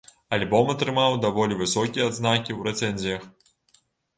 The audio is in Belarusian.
Альбом атрымаў даволі высокія адзнакі ў рэцэнзіях.